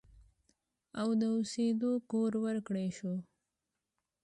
او د اوسېدو کور ورکړی شو